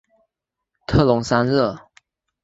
特龙桑热。